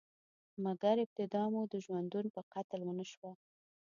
مګر، ابتدا مو د ژوندون په قتل ونشوه؟